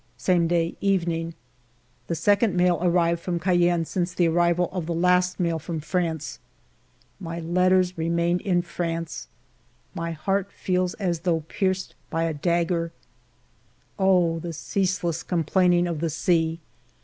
Same day, evening. The second mail received from Cayenne since the arrival of the last mail from France. My letters remained in France ! My heart feels as though pierced by a dagger. ALFRED DREYFUS 183 Oh, the ceaseless complaining of the sea